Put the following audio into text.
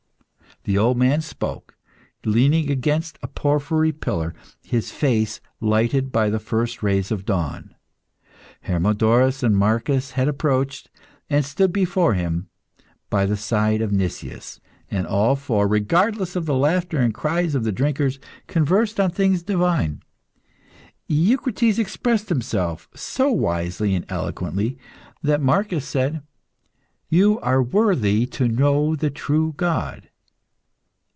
'" The old man spoke, leaning against a porphyry pillar, his face lighted by the first rays of dawn. Hermodorus and Marcus had approached, and stood before him by the side of Nicias; and all four, regardless of the laughter and cries of the drinkers, conversed on things divine. Eucrites expresses himself so wisely and eloquently, that Marcus said "You are worthy to know the true God."